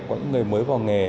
có những người mới vào nghề